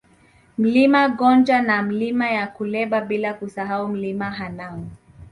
Mlima Gonja na Milima ya Gulela bila kusahau Mlima Hanang